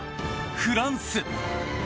フランス。